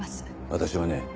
私はね